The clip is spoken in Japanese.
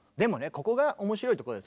ここが面白いとこでさ